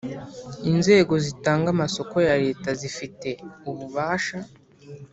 Inzego zitanga amasoko ya leta zifite ububasha